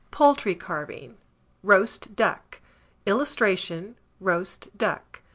POULTRY CARVING. ROAST DUCK. [Illustration: ROAST DUCK.